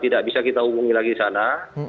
tidak bisa kita hubungi lagi sana